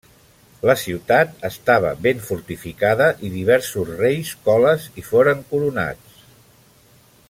La ciutat estava ben fortificada i diversos reis coles hi foren coronats.